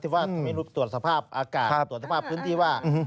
ว่าทำไมตรวจสภาพอากาศตรวจสภาพพื้นที่ว่า